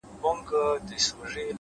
هره ستونزه د حل نوې دروازه ده’